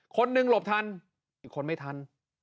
คนหนึ่งหลบทันอีกคนไม่ทัน